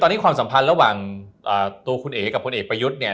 ตอนนี้ความสัมพันธ์ระหว่างตัวคุณเอ๋กับพลเอกประยุทธ์เนี่ย